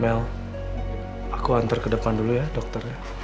mel aku hantar ke depan dulu ya dokternya